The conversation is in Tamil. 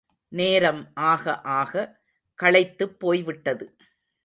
நேரம் ஆக ஆக, களைத்துப் போய்விட்டது.